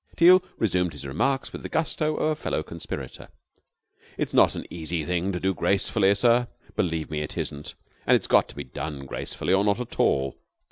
Teal resumed his remarks with the gusto of a fellow conspirator. "It's not an easy thing to do gracefully, sir, believe me, it isn't. And it's got to be done gracefully, or not at all.